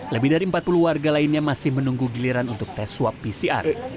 lebih dari empat puluh warga lainnya masih menunggu giliran untuk tes swab pcr